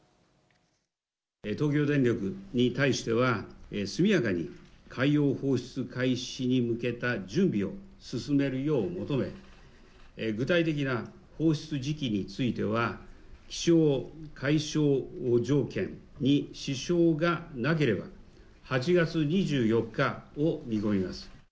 東京電力に対しては、速やかに海洋放出開始に向けた準備を進めるよう求め、具体的な放出時期については、気象、海象条件に支障がなければ、８月２４日を見込みます。